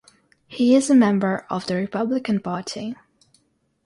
He is a member of the Republican Party.